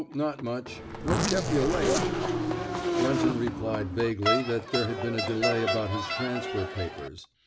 Not much. "What kep' yuh late? " Brunton replied vaguely that there had been a delay about his transfer papers.